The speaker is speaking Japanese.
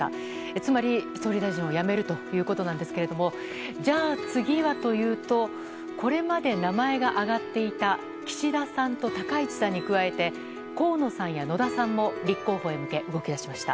つまり、総理大臣を辞めるということなんですけれども、じゃあ次はというと、これまで名前が挙がっていた岸田さんと高市さんに加えて、河野さんや野田さんも立候補へ向け動きだしました。